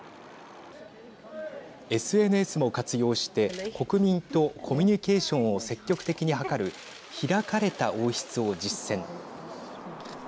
ＳＮＳも活用して国民とコミュニケーションを積極的に図る開かれた王室を実践。